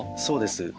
そうです。